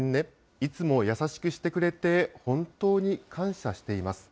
いつも優しくしてくれて本当に感謝しています。